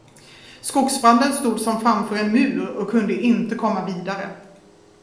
Skogsbranden stod som framför en mur och kunde inte komma vidare.